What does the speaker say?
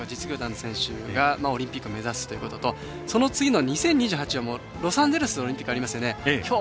今日出る大学生や社会人の選手がオリンピック目指すということとその次の２０２８はロサンゼルスオリンピックありますよね。